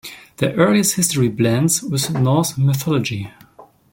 The earliest history blends with Norse mythology.